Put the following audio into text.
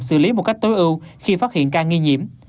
xử lý một cách tối ưu khi phát hiện ca nghi nhiễm